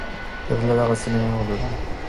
طبیعت له دغه سلیمان غر څخه جوړ دی.